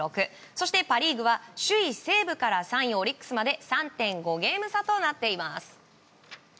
そしてパ・リーグは首位、西武から３位、オリックスまで３．５ゲーム差となっております。